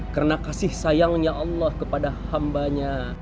karena kasih sayangnya allah kepada hambanya